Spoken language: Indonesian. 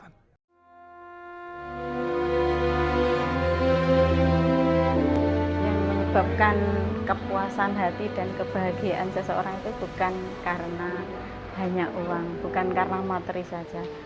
yang menyebabkan kepuasan hati dan kebahagiaan seseorang itu bukan karena banyak uang bukan karena materi saja